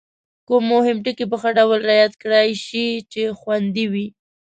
کوم مهم ټکي په ښه ډول رعایت کړای شي چې خوندي وي؟